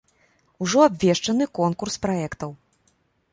Ужо абвешчаны конкурс праектаў.